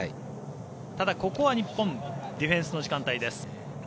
ただ、ここは日本ディフェンスの時間帯です。